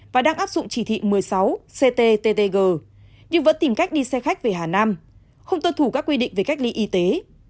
và đang áp dụng chỉ thị một mươi sáu cttg nhưng vẫn tìm cách đi xe khách về hà nam không tuân thủ các quy định về cách ly y tế